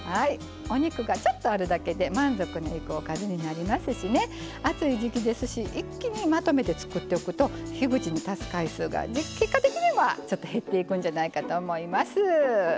お肉がちょっとあるだけで満足がいくおかずになりますし暑い時季ですし一気にまとめて作っておくと火口に立つ回数が、結果的にはちょっと減っていくんじゃないかと思います。